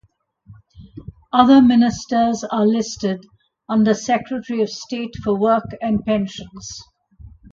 Other ministers are listed under Secretary of State for Work and Pensions.